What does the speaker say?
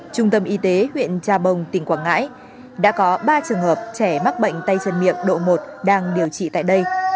trung tâm y tế huyện trà bồng tỉnh quảng ngãi đã có ba trường hợp trẻ mắc bệnh tay chân miệng độ một đang điều trị tại đây